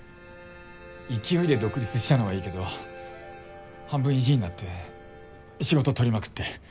勢いで独立したのはいいけど半分意地になって仕事取りまくって